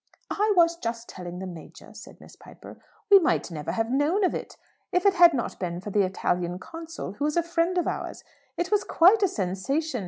"I was just telling the Major," said Miss Piper. "We might never have known of it, if it had not been for the Italian Consul, who was a friend of ours. It was quite a sensation!